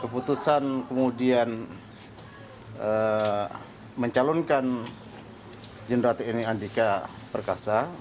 keputusan kemudian mencalonkan jenderal tni andika perkasa